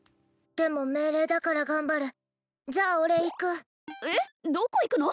でも命令だから頑張るじゃあ俺行くえっどこ行くの？